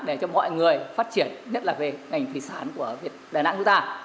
để cho mọi người phát triển nhất là về ngành thủy sản của đà nẵng chúng ta